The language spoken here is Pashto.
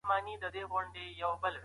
کتاب د مطالعې لپاره اخیستل کیږي.